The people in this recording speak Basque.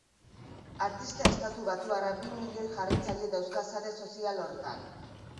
Artista estatubatuarrak bi milioi jarraitzaile dauzka sare sozial horretan.